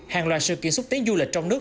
hàng loạt sự kiện xúc tiến du lịch trong nước